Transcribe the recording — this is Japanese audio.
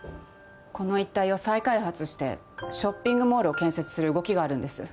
この一帯を再開発してショッピングモールを建設する動きがあるんです。